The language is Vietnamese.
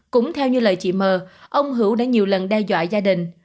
cũng theo như lời chị m ông hữu đã nhiều lần đe dọa gia đình